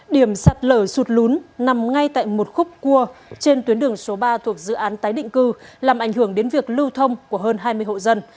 điểm sạt lở sụt lún nằm ngay tại một khúc cua trên tuyến đường số ba thuộc dự án tái định cư làm ảnh hưởng đến việc lưu thông của hơn hai mươi hộ dân